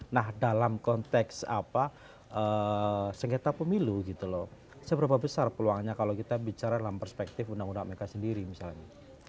nah dalam konteks apa sengketa pemilu gitu loh seberapa besar peluangnya kalau kita bicara dalam perspektif undang undang mk sendiri misalnya